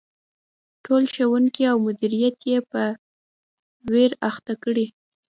ټول ښوونکي او مدیریت یې په ویر اخته کړي.